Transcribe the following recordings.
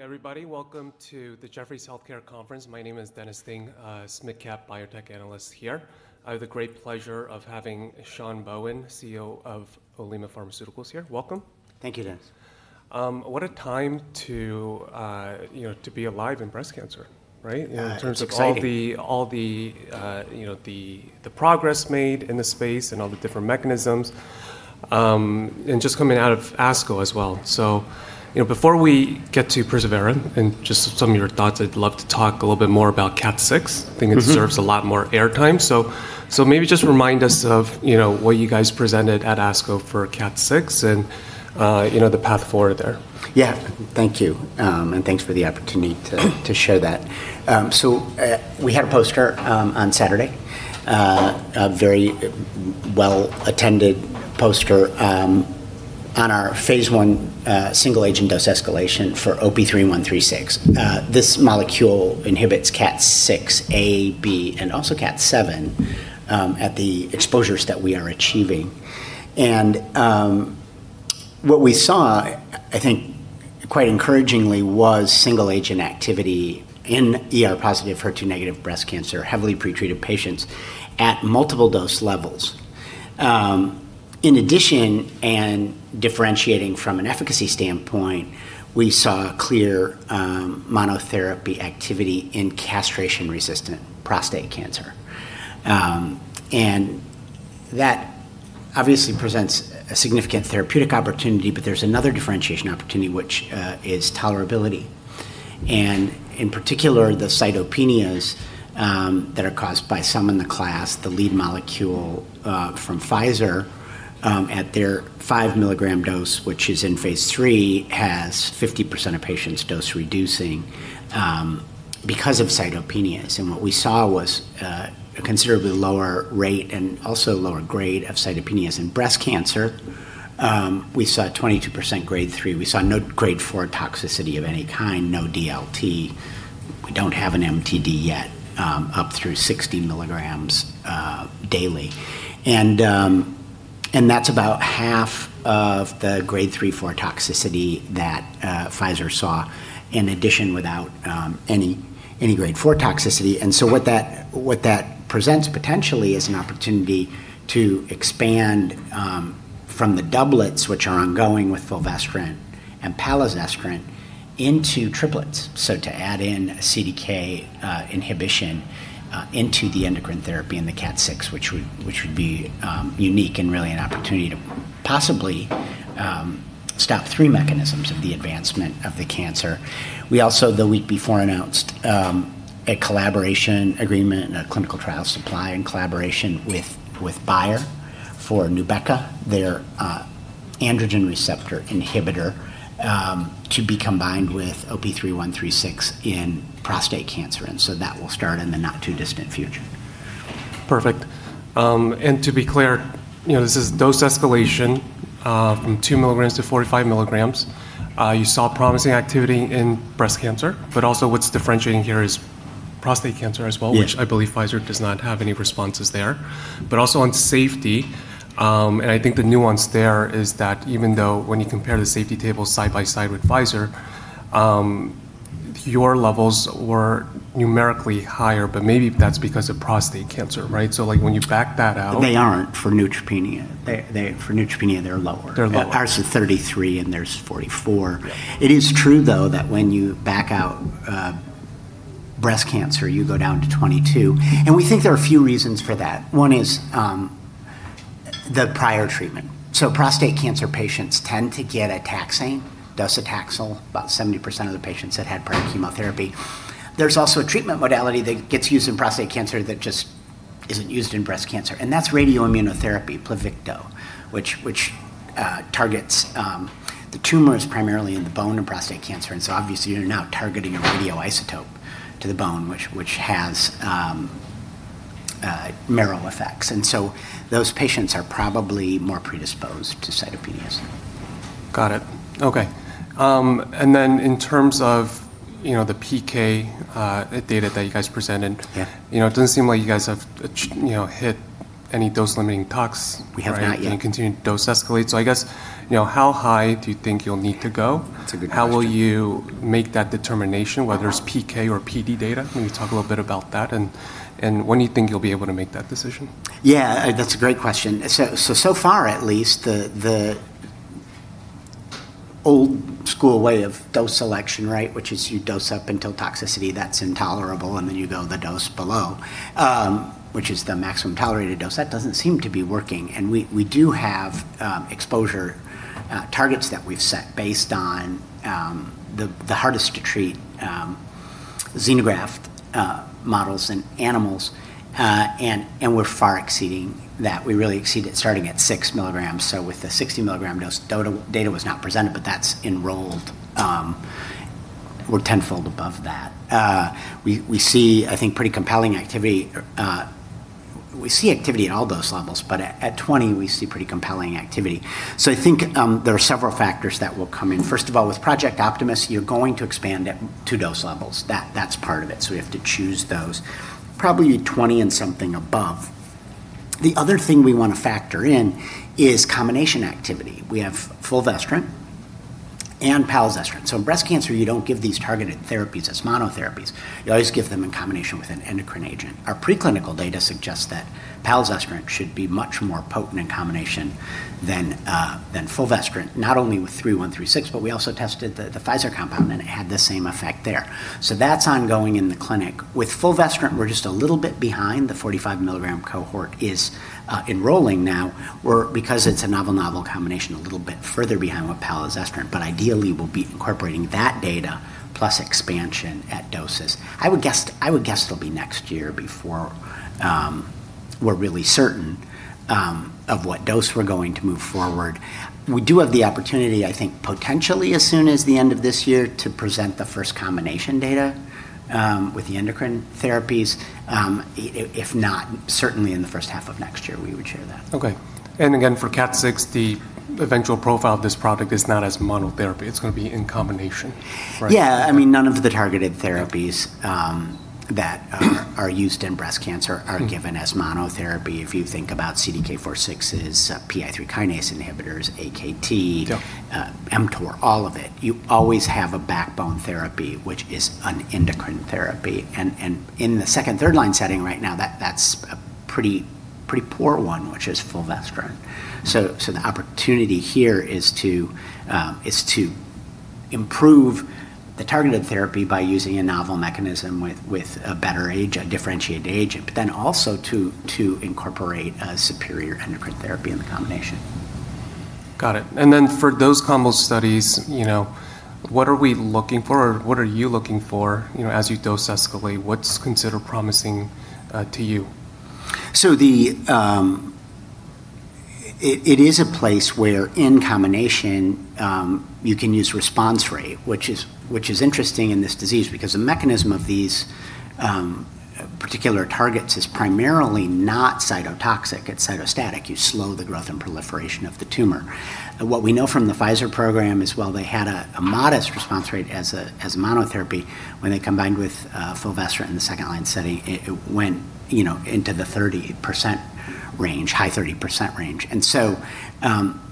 Everybody, welcome to the Jefferies Healthcare Conference. My name is Dennis Ding, SmidCap Biotech Analyst here. I have the great pleasure of having Sean Bohen, CEO of Olema Pharmaceuticals here. Welcome. Thank you, Dennis. What a time to be alive in breast cancer, right? It's exciting. In terms of all the progress made in the space and all the different mechanisms, and just coming out of ASCO as well. Before we get to persevERA and just some of your thoughts, I'd love to talk a little bit more about CDK6. I think it deserves a lot more airtime. Maybe just remind us of what you guys presented at ASCO for CDK6 and the path forward there? Thank you, and thanks for the opportunity to share that. We had a poster on Saturday, a very well-attended poster on our phase I single-agent dose escalation for OP-3136. This molecule inhibits CDK6 A, B, and also KAT6 at the exposures that we are achieving. What we saw, I think quite encouragingly, was single-agent activity in ER-positive, HER2-negative breast cancer, heavily pretreated patients at multiple dose levels. In addition, and differentiating from an efficacy standpoint, we saw clear monotherapy activity in castration-resistant prostate cancer, and that obviously presents a significant therapeutic opportunity. There's another differentiation opportunity, which is tolerability, and in particular, the cytopenias that are caused by some in the class. The lead molecule from Pfizer at their 5 mg dose, which is in phase III, has 50% of patients dose reducing because of cytopenias. What we saw was a considerably lower rate and also lower grade of cytopenias in breast cancer. We saw 22% grade 3. We saw no grade 4 toxicity of any kind, no DLT. We don't have an MTD yet up through 60 mgs daily, and that's about half of the grade 3/4 toxicity that Pfizer saw, in addition without any grade 4 toxicity. What that presents potentially is an opportunity to expand from the doublets, which are ongoing with fulvestrant and palazestrant, into triplets. To add in CDK inhibition into the endocrine therapy and the CDK6, which would be unique and really an opportunity to possibly stop three mechanisms of the advancement of the cancer. We also, the week before, announced a collaboration agreement and a clinical trial supply in collaboration with Bayer for Nubeqa, their androgen receptor inhibitor, to be combined with OP-3136 in prostate cancer. That will start in the not-too-distant future. Perfect. To be clear, this is dose escalation from two mgs to 45 mgs. Also what's differentiating here is prostate cancer as well, which I believe Pfizer does not have any responses there. Also on safety, I think the nuance there is that even though when you compare the safety table side by side with Pfizer, your levels were numerically higher, but maybe that's because of prostate cancer, right? When you back that out- They aren't for neutropenia. For neutropenia, they're lower. They're lower. Ours is 33, and theirs is 44. Yeah. It is true, though, that when you back out breast cancer, you go down to 22, and we think there are a few reasons for that. One is the prior treatment. Prostate cancer patients tend to get a taxane, docetaxel. About 70% of the patients had had prior chemotherapy. There's also a treatment modality that gets used in prostate cancer that just isn't used in breast cancer, and that's radioimmunotherapy, Pluvicto, which targets the tumors primarily in the bone in prostate cancer. Obviously you're now targeting a radioisotope to the bone, which has marrow effects, and so those patients are probably more predisposed to cytopenias. Got it. Okay. In terms of the PK data that you guys presented. Yeah It doesn't seem like you guys have hit any dose-limiting tox, right? We have not yet. You continue to dose escalate. I guess, how high do you think you'll need to go? That's a good question. How will you make that determination, whether it's PK or PD data? Can you talk a little bit about that and when you think you'll be able to make that decision? Yeah. That's a great question. So far at least, the old-school way of dose selection, right, which is you dose up until toxicity that's intolerable, and then you go the dose below, which is the maximum tolerated dose. That doesn't seem to be working, and we do have exposure targets that we've set based on the hardest-to-treat xenograft models in animals, and we're far exceeding that. We really exceed it starting at six mgs. With the 60 mg dose, data was not presented, but that's enrolled. We're tenfold above that. We see, I think, pretty compelling activity. We see activity at all dose levels, but at 20 we see pretty compelling activity. I think there are several factors that will come in. First of all, with Project Optimus, you're going to expand at two dose levels. That's part of it, so we have to choose those. Probably 20 and something above. The other thing we want to factor in is combination activity. We have fulvestrant and palazestrant. In breast cancer, you don't give these targeted therapies as monotherapies. You always give them in combination with an endocrine agent. Our preclinical data suggests that palazestrant should be much more potent in combination than fulvestrant, not only with 3136, but we also tested the Pfizer compound, and it had the same effect there. That's ongoing in the clinic. With fulvestrant, we're just a little bit behind. The 45 mg cohort is enrolling now. We're, because it's a novel combination, a little bit further behind with palazestrant. Ideally, we'll be incorporating that data plus expansion at doses. I would guess it'll be next year before we're really certain of what dose we're going to move forward. We do have the opportunity, I think, potentially as soon as the end of this year, to present the first combination data with the endocrine therapies. If not, certainly in the first half of next year, we would share that. Okay. Again, for KAT6, the eventual profile of this product is not as monotherapy. It's going to be in combination, right? Yeah. None of the targeted therapies that are used in breast cancer are given as monotherapy. If you think about CDK4/6's, PI3 kinase inhibitors, Akt, mTOR, all of it, you always have a backbone therapy, which is an endocrine therapy. In the second, third-line setting right now, that's a pretty poor one, which is fulvestrant. The opportunity here is to improve the targeted therapy by using a novel mechanism with a better agent, differentiated agent, but then also to incorporate a superior endocrine therapy in the combination. Got it. For those combo studies, what are we looking for, or what are you looking for as you dose escalate? What's considered promising to you? It is a place where in combination, you can use response rate, which is interesting in this disease because the mechanism of these particular targets is primarily not cytotoxic, it's cytostatic. You slow the growth and proliferation of the tumor. What we know from the Pfizer program is while they had a modest response rate as a monotherapy, when they combined with fulvestrant in the second-line setting, it went into the 30% range, high 30% range.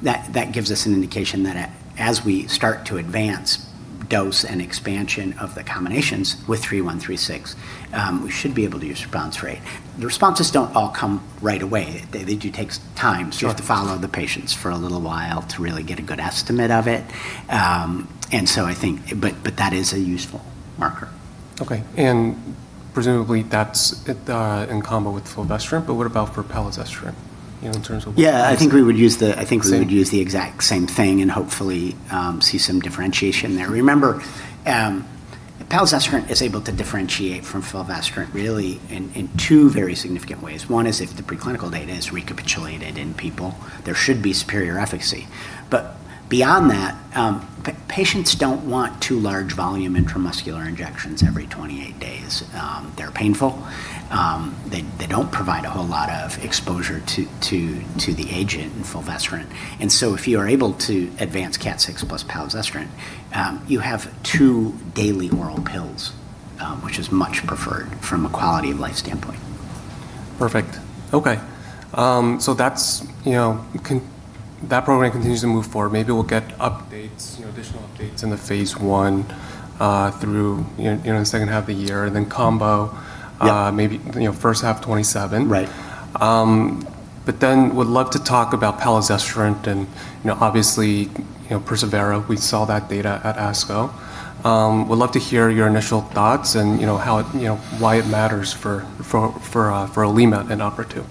That gives us an indication that as we start to advance dose and expansion of the combinations with 3136, we should be able to use response rate. The responses don't all come right away. They do take time. Sure. You have to follow the patients for a little while to really get a good estimate of it. That is a useful marker. Okay. Presumably, that's in combo with fulvestrant, but what about for palazestrant, in terms of. Yeah, I think we would use the- Same Exact same thing hopefully, see some differentiation there. Remember, palazestrant is able to differentiate from fulvestrant really in two very significant ways. One is if the preclinical data is recapitulated in people, there should be superior efficacy. Beyond that, patients don't want two large volume intramuscular injections every 28 days. They're painful. They don't provide a whole lot of exposure to the agent in fulvestrant. If you are able to advance KAT6 plus palazestrant, you have two daily oral pills, which is much preferred from a quality of life standpoint. Perfect. Okay. That program continues to move forward. Maybe we'll get additional updates in the phase I through the second half of the year. Yeah maybe first half 2027. Right. Would love to talk about palazestrant and obviously, persevERA, we saw that data at ASCO. Would love to hear your initial thoughts and why it matters for Olema in OPERA-02.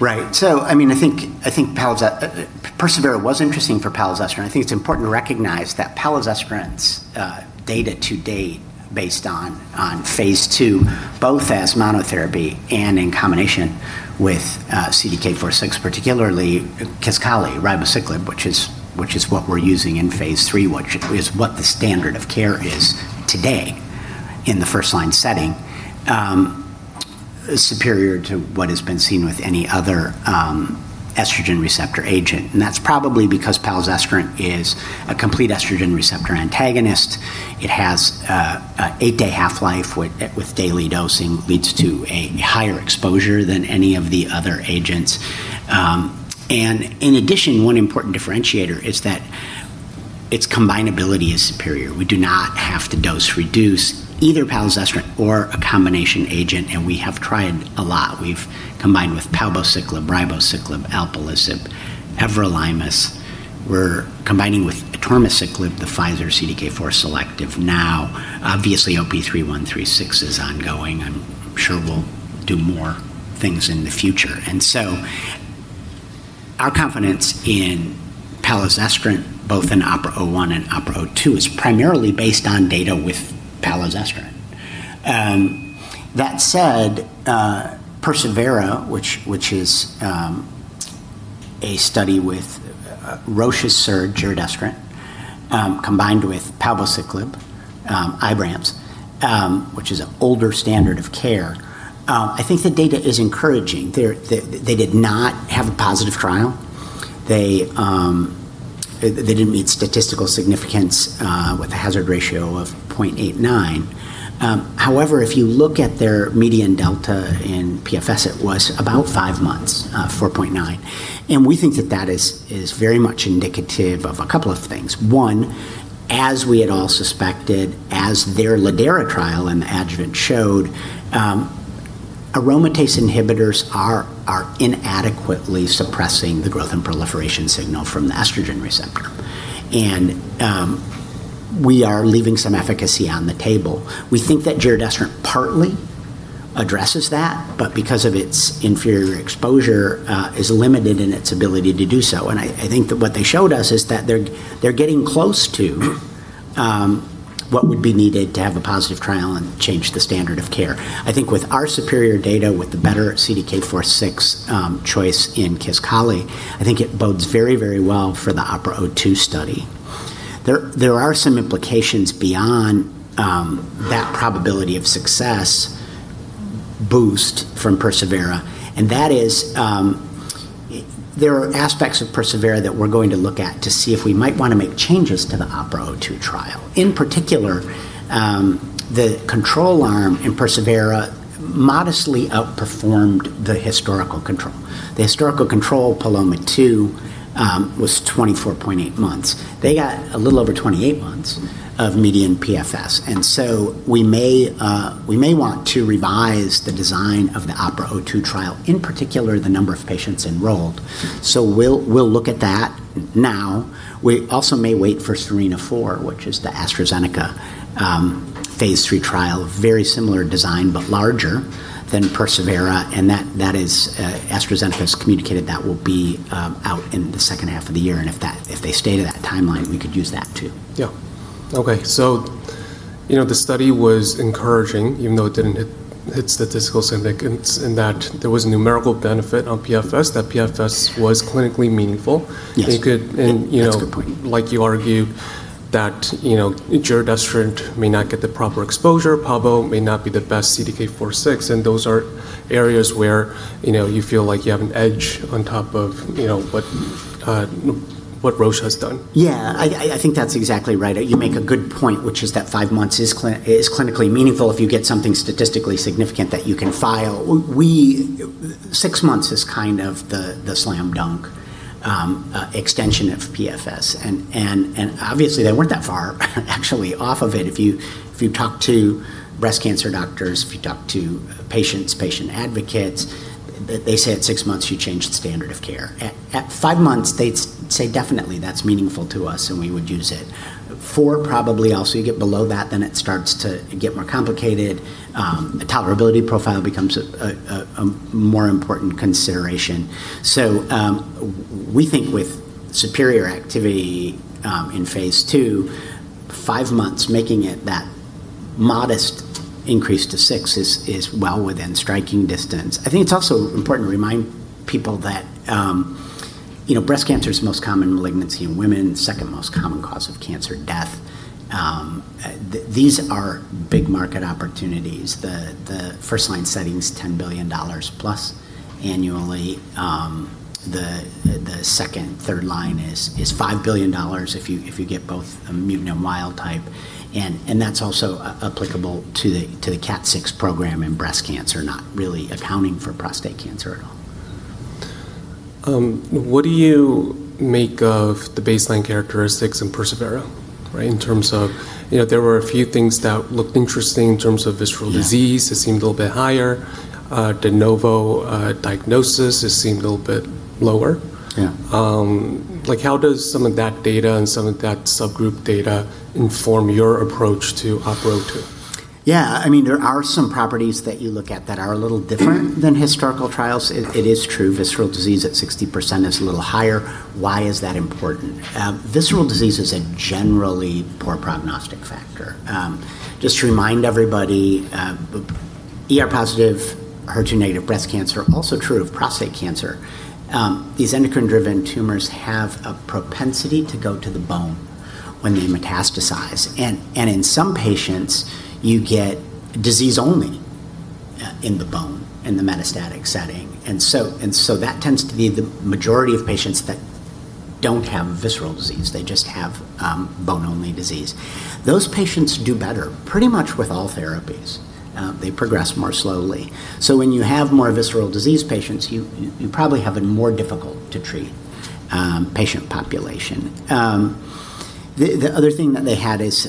Right. I think persevERA was interesting for palazestrant. I think it's important to recognize that palazestrant's data to date based on phase II, both as monotherapy and in combination with CDK4/6, particularly KISQALI, ribociclib, which is what we're using in phase III, which is what the standard of care is today in the first-line setting, is superior to what has been seen with any other estrogen receptor agent. That's probably because palazestrant is a complete estrogen receptor antagonist. It has an eight-day half-life with daily dosing, leads to a higher exposure than any of the other agents. In addition, one important differentiator is that its combinability is superior. We do not have to dose-reduce either palazestrant or a combination agent, we have tried a lot. We've combined with palbociclib, ribociclib, alpelisib, everolimus. We're combining with atirmociclib, the Pfizer CDK4 selective now. Obviously, OP-3136 is ongoing. I'm sure we'll do more things in the future. Our confidence in palazestrant, both in OPERA-01 and OPERA-02, is primarily based on data with palazestrant. That said, persevERA, which is a study with Roche's SERD, giredestrant, combined with palbociclib, IBRANCE, which is an older standard of care, I think the data is encouraging. They did not have a positive trial. They didn't meet statistical significance with a hazard ratio of 0.89. However, if you look at their median delta in PFS, it was about five months, 4.9. We think that that is very much indicative of a couple of things. One, as we had all suspected, as their lidERA trial in the adjuvant showed, aromatase inhibitors are inadequately suppressing the growth and proliferation signal from the estrogen receptor. We are leaving some efficacy on the table. We think that giredestrant partly addresses that, because of its inferior exposure is limited in its ability to do so. I think that what they showed us is that they're getting close to what would be needed to have a positive trial and change the standard of care. I think with our superior data with the better CDK4/6 choice in KISQALI, I think it bodes very well for the OPERA-02 study. There are some implications beyond that probability of success boost from persevERA, that is there are aspects of persevERA that we're going to look at to see if we might want to make changes to the OPERA-02 trial. In particular, the control arm in persevERA modestly outperformed the historical control. The historical control, PALOMA-2, was 24.8 months. They got a little over 28 months of median PFS. We may want to revise the design of the OPERA-02 trial, in particular, the number of patients enrolled. We'll look at that now. We also may wait for SERENA-4, which is the AstraZeneca phase III trial. Very similar design, but larger than persevERA and AstraZeneca has communicated that will be out in the second half of the year, and if they stay to that timeline, we could use that, too. Yeah. Okay. The study was encouraging, even though it didn't hit statistical significance in that there was numerical benefit on PFS, that PFS was clinically meaningful. Yes. And you could- That's a good point. Like you argue that giredestrant may not get the proper exposure, palbociclib may not be the best CDK4/6, and those are areas where you feel like you have an edge on top of what Roche has done. Yeah. I think that's exactly right. You make a good point, which is that five months is clinically meaningful if you get something statistically significant that you can file. Six months is kind of the slam dunk extension of PFS and obviously they weren't that far actually off of it. If you talk to breast cancer doctors, if you talk to patients, patient advocates, they say at six months you change the standard of care. At five months, they say definitely that's meaningful to us and we would use it. Four probably also. You get below that, it starts to get more complicated. The tolerability profile becomes a more important consideration. We think with superior activity in phase II, five months making it that modest increase to six is well within striking distance. I think it's also important to remind people that breast cancer is the most common malignancy in women, second most common cause of cancer death. These are big market opportunities. The first-line setting is $10+ billion annually. The second, third line is $5 billion if you get both a mutant and wild type and that's also applicable to the KAT6 program in breast cancer, not really accounting for prostate cancer at all. What do you make of the baseline characteristics in persevERA? In terms of there were a few things that looked interesting in terms of visceral disease. Yeah. It seemed a little bit higher. De novo diagnosis just seemed a little bit lower. Yeah. How does some of that data and some of that subgroup data inform your approach to OPERA-02? Yeah. There are some properties that you look at that are a little different than historical trials. It is true visceral disease at 60% is a little higher. Why is that important? Visceral disease is a generally poor prognostic factor. Just to remind everybody, ER-positive HER2-negative breast cancer, also true of prostate cancer. These endocrine-driven tumors have a propensity to go to the bone when they metastasize and in some patients you get disease only in the bone in the metastatic setting. That tends to be the majority of patients that don't have visceral disease. They just have bone-only disease. Those patients do better pretty much with all therapies. They progress more slowly. When you have more visceral disease patients, you probably have a more difficult to treat patient population. The other thing that they had is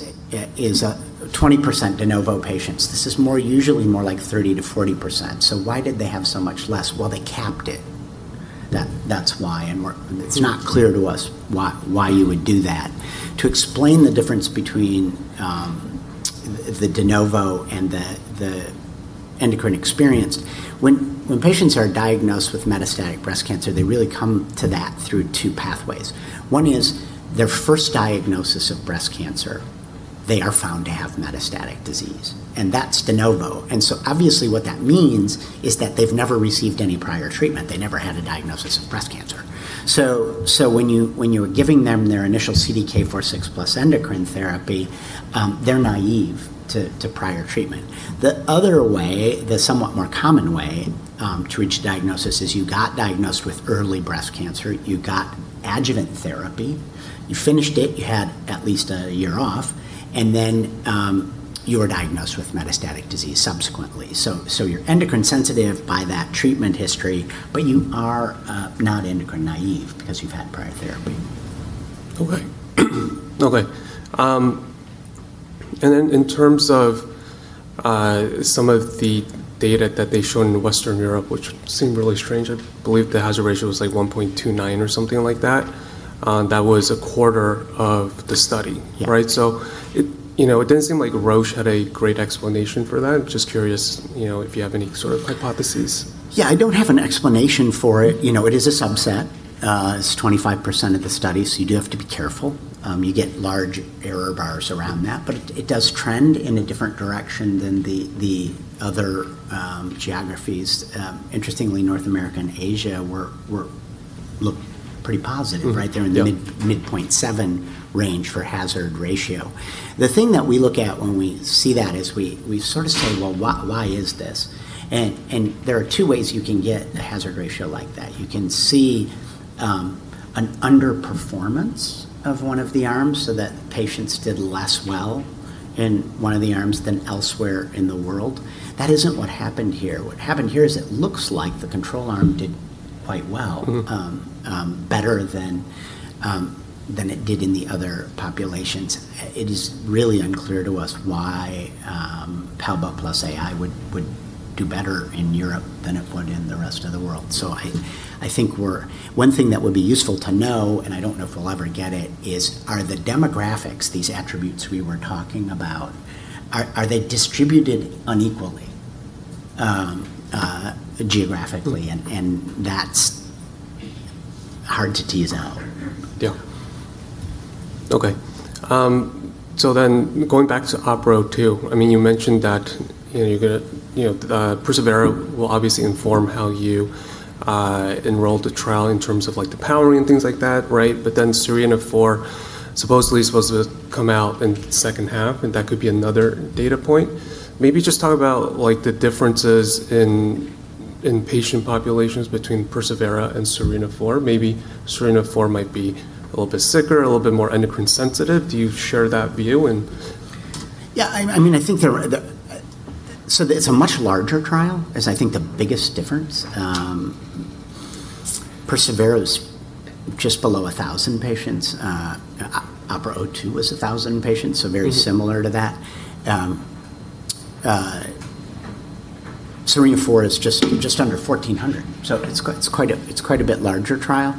20% de novo patients. This is usually more like 30%-40%. Why did they have so much less? Well, they capped it. That's why, and it's not clear to us why you would do that. To explain the difference between the de novo and the endocrine experienced, when patients are diagnosed with metastatic breast cancer, they really come to that through two pathways. One is their first diagnosis of breast cancer, they are found to have metastatic disease, and that's de novo. Obviously what that means is that they've never received any prior treatment. They never had a diagnosis of breast cancer. When you're giving them their initial CDK4/6 plus endocrine therapy, they're naïve to prior treatment. The other way, the somewhat more common way to reach the diagnosis is you got diagnosed with early breast cancer, you got adjuvant therapy, you finished it, you had at least a year off, and then you were diagnosed with metastatic disease subsequently. You're endocrine sensitive by that treatment history, but you are not endocrine naïve because you've had prior therapy. Okay. Okay. In terms of some of the data that they've shown in Western Europe, which seemed really strange, I believe the hazard ratio was like 1.29 or something like that. That was a quarter of the study, right? Yeah. It didn't seem like Roche had a great explanation for that. Just curious if you have any sort of hypotheses? Yeah, I don't have an explanation for it. It is a subset. It's 25% of the study, you do have to be careful. You get large error bars around that. It does trend in a different direction than the other geographies. Interestingly, North America and Asia looked pretty positive, right there in the mid-0.7 range for hazard ratio. The thing that we look at when we see that is we sort of say, "Well, why is this?" There are two ways you can get a hazard ratio like that. You can see an underperformance of one of the arms so that patients did less well in one of the arms than elsewhere in the world. That isn't what happened here. What happened here is it looks like the control arm did quite well, better than it did in the other populations. It is really unclear to us why palbociclib-AI would do better in Europe than it would in the rest of the world. I think one thing that would be useful to know, and I don't know if we'll ever get it, is are the demographics, these attributes we were talking about, are they distributed unequally geographically? That's hard to tease out. Yeah. Okay. Going back to OPERA-02, you mentioned that persevERA will obviously inform how you enroll the trial in terms of the powering and things like that, right? SERENA-4 supposedly is supposed to come out in the second half, and that could be another data point. Maybe just talk about the differences in patient populations between persevERA and SERENA-4. Maybe SERENA-4 might be a little bit sicker, a little bit more endocrine sensitive. Do you share that view and- Yeah. It's a much larger trial, is I think the biggest difference. persevERA was just below 1,000 patients. OPERA-02 was 1,000 patients, so very similar to that. SERENA-4 is just under 1,400, so it's quite a bit larger trial.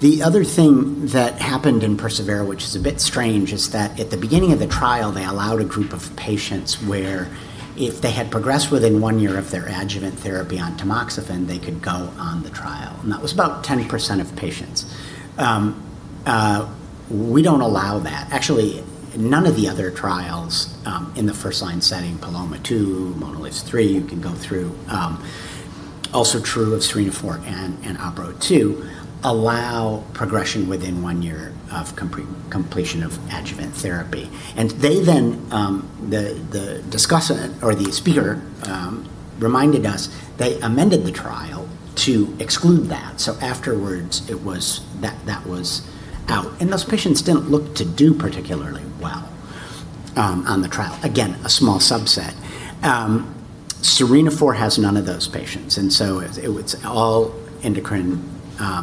The other thing that happened in persevERA, which is a bit strange, is that at the beginning of the trial, they allowed a group of patients where if they had progressed within one year of their adjuvant therapy on tamoxifen, they could go on the trial, and that was about 10% of patients. We don't allow that. Actually, none of the other trials in the first-line setting, PALOMA-2, MONALEESA-3, you can go through, also true of SERENA-4 and OPERA-02, allow progression within one year of completion of adjuvant therapy. They then, the discussant or the speaker reminded us they amended the trial to exclude that. Afterwards, that was out. Those patients didn't look to do particularly well on the trial. Again, a small subset. SERENA-4 has none of those patients, and so it's all endocrine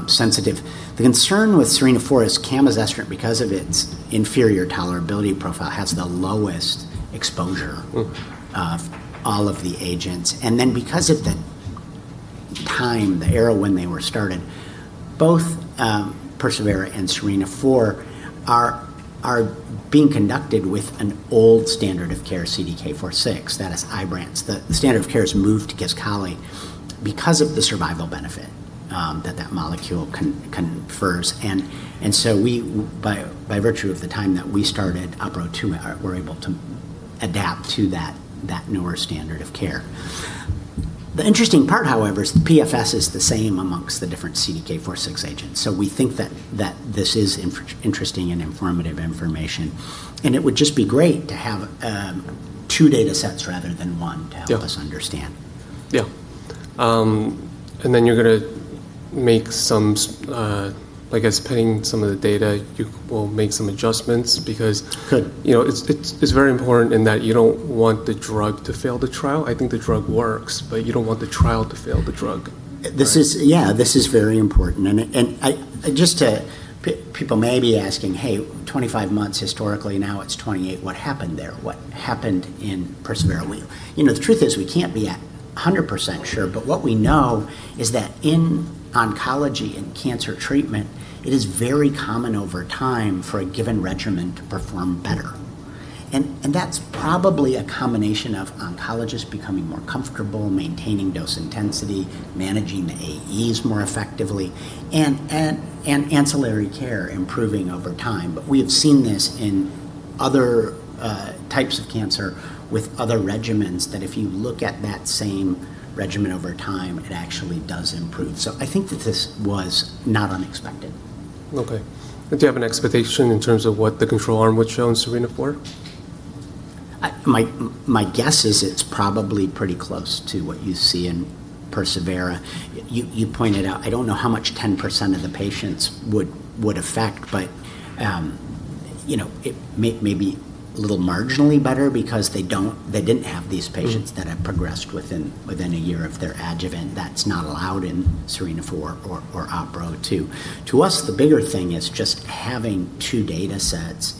sensitive. The concern with SERENA-4 is camizestrant because of its inferior tolerability profile has the lowest exposure of all of the agents. Because of the time, the era when they were started, both persevERA and SERENA-4 are being conducted with an old standard of care CDK4/6. That is IBRANCE. The standard of care has moved to KISQALI because of the survival benefit that that molecule confers. By virtue of the time that we started OPERA-02, we're able to adapt to that newer standard of care. The interesting part, however, is the PFS is the same amongst the different CDK4/6 agents. We think that this is interesting and informative information, and it would just be great to have two data sets rather than one to help us understand. Yeah. You're going to make some, I guess, depending on some of the data, you will make some adjustments because, it's very important in that you don't want the drug to fail the trial. I think the drug works, but you don't want the trial to fail the drug, right? Yeah, this is very important. People may be asking, "Hey, 25 months historically. Now it's 28. What happened there? What happened in persevERA?" The truth is we can't be 100% sure, but what we know is that in oncology and cancer treatment, it is very common over time for a given regimen to perform better. That's probably a combination of oncologists becoming more comfortable maintaining dose intensity, managing the AEs more effectively, and ancillary care improving over time. We have seen this in other types of cancer with other regimens that if you look at that same regimen over time, it actually does improve. I think that this was not unexpected. Okay. Do you have an expectation in terms of what the control arm would show in SERENA-4? My guess is it's probably pretty close to what you see in persevERA. You pointed out, I don't know how much 10% of the patients would affect, but it may be a little marginally better because they didn't have these patients that have progressed within a year of their adjuvant. That's not allowed in SERENA-4 or OPERA-02. To us, the bigger thing is just having two data sets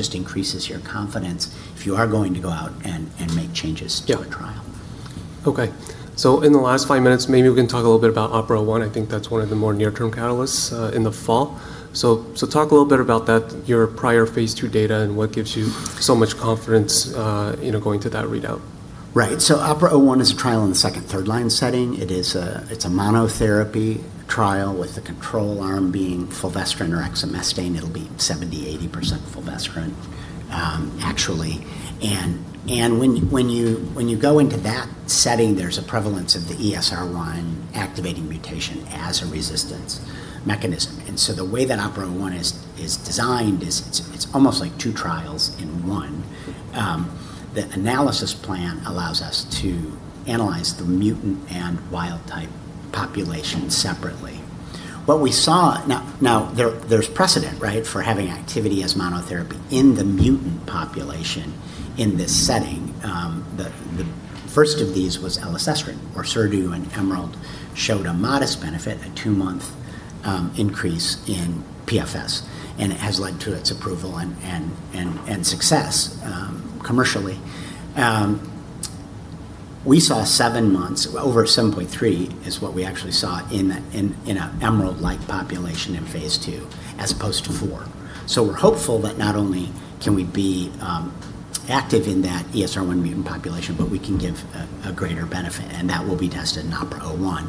just increases your confidence if you are going to go out and make changes to a trial. Okay. In the last five minutes, maybe we can talk a little bit about OPERA-01. I think that's one of the more near-term catalysts in the fall. Talk a little bit about that, your prior phase II data, and what gives you so much confidence, going to that readout. Right. OPERA-01 is a trial in the second, third line setting. It is a monotherapy trial with the control arm being fulvestrant or exemestane. It'll be 70%-80% fulvestrant actually. When you go into that setting, there's a prevalence of the ESR1 activating mutation as a resistance mechanism. The way that OPERA-01 is designed is it's almost like two trials in one. The analysis plan allows us to analyze the mutant and wild-type population separately. There's precedent, right? For having activity as monotherapy in the mutant population in this setting. The first of these was elacestrant, ORSERDU and EMERALD, showed a modest benefit, a two-month increase in PFS, and it has led to its approval and success commercially. We saw seven months, over 7.3 is what we actually saw in a EMERALD-like population in phase II, as opposed to IV. We're hopeful that not only can we be active in that ESR1 mutant population, but we can give a greater benefit, and that will be tested in OPERA-01.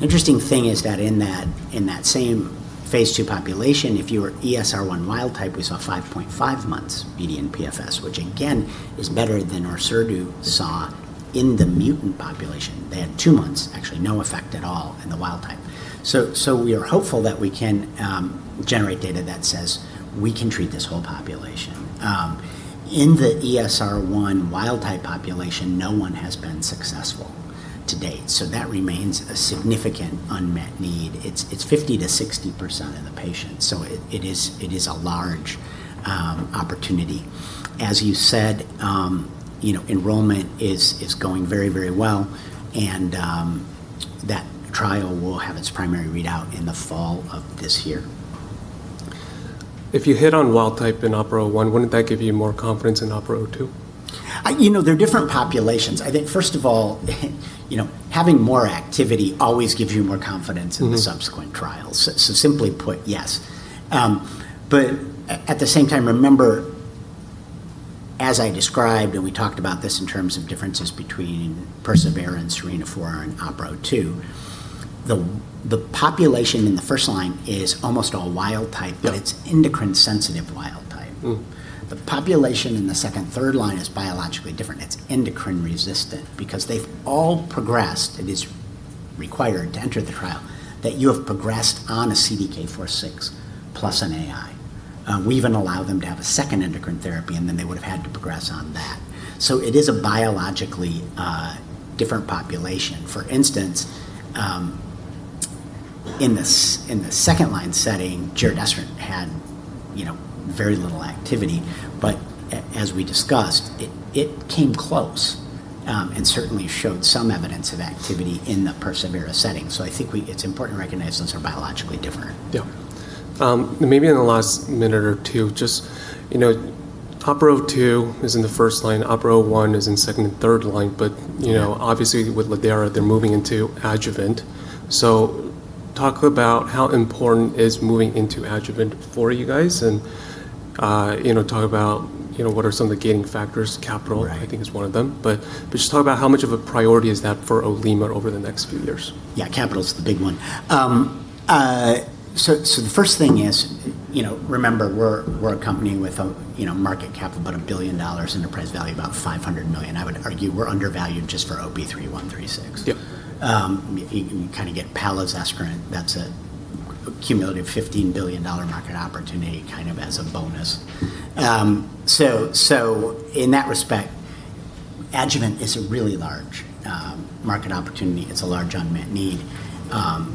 Interesting thing is that in that same phase II population, if you were ESR1 wild type, we saw 5.5 months median PFS, which again, is better than ORSERDU saw in the mutant population. They had two months, actually, no effect at all in the wild type. We are hopeful that we can generate data that says we can treat this whole population. In the ESR1 wild type population, no one has been successful to date, that remains a significant unmet need. It's 50%-60% of the patients. It is a large opportunity. As you said, enrollment is going very, very well, and that trial will have its primary readout in the fall of this year. If you hit on wild type in OPERA-01, wouldn't that give you more confidence in OPERA-02? They're different populations. I think first of all, having more activity always gives you more confidence in the subsequent trials. Simply put, yes. At the same time, remember, as I described, and we talked about this in terms of differences between persevERA and SERENA-4 and OPERA-02, the population in the first line is almost all wild type. Yeah It's endocrine-sensitive wild type. The population in the second, third line is biologically different. It's endocrine resistant because they've all progressed. It is required to enter the trial that you have progressed on a CDK4/6 plus an AI. We even allow them to have a second endocrine therapy, and then they would've had to progress on that. It is a biologically different population. For instance, in the second-line setting, giredestrant had very little activity. As we discussed, it came close, and certainly showed some evidence of activity in the persevERA setting. I think it's important to recognize those are biologically different. Yeah. Maybe in the last minute or two, just OPERA-02 is in the 1st line, OPERA-01 is in second and third line, but obviously with lidERA, they're moving into adjuvant. Talk about how important is moving into adjuvant for you guys and talk about what are some of the gating factors? Right I think is one of them. Just talk about how much of a priority is that for Olema over the next few years? Yeah, capital's the big one. The first thing is, remember, we're a company with a market cap of about $1 billion, enterprise value about $500 million. I would argue we're undervalued just for OP-3136. You get palazestrant, that's a cumulative $15 billion market opportunity as a bonus. In that respect, adjuvant is a really large market opportunity. It's a large unmet need.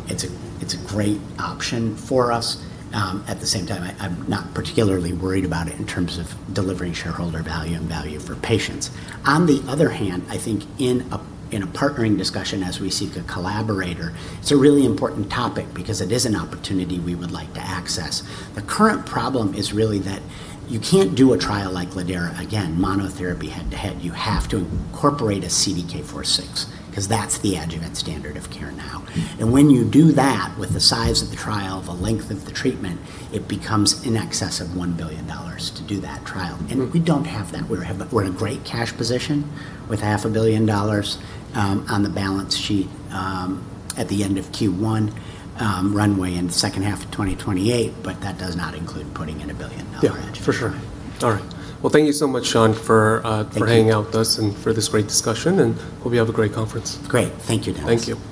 It's a great option for us. At the same time, I'm not particularly worried about it in terms of delivering shareholder value and value for patients. On the other hand, I think in a partnering discussion as we seek a collaborator, it's a really important topic because it is an opportunity we would like to access. The current problem is really that you can't do a trial like lidERA, again, monotherapy head-to-head. You have to incorporate a CDK4/6 because that's the adjuvant standard of care now. When you do that with the size of the trial, the length of the treatment, it becomes in excess of $1 billion to do that trial. We don't have that. We're in a great cash position with half a billion dollars on the balance sheet at the end of Q1, runway in the second half of 2028, that does not include putting in a billion-dollar adjuvant trial. Yeah. For sure. All right. Well, thank you so much, Sean for hanging out with us and for this great discussion, and hope you have a great conference. Great. Thank you, Dennis. Thank you.